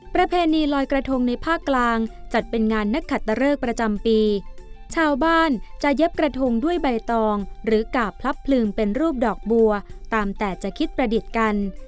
ประเพณีลอยกระทงในภาคกลางจัดเป็นงานนักขัตตะเริกประจำปีชาวบ้านจะเย็บกระทงด้วยใบตองหรือกาบพลับพลึงเป็นรูปดอกบัวตามแต่จะคิดประดิษฐ์กัน